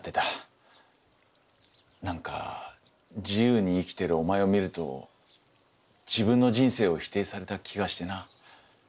何か自由に生きてるお前を見ると自分の人生を否定された気がしてな。